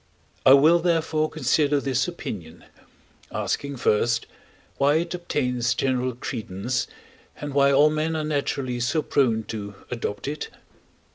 I will, therefore, consider this opinion, asking first, why it obtains general credence, and why all men are naturally so prone to adopt it?